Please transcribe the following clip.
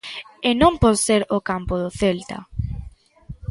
E non por ser o campo do Celta.